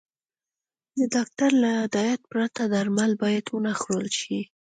د ډاکټر له هدايت پرته درمل بايد ونخوړل شي.